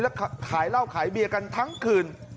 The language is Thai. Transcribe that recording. และขายเหล้าขายเบียร์กันทั้งคืน